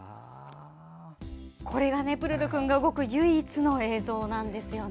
これがプルルくんが動く唯一の映像なんですよね。